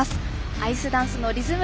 アイスダンスのリズム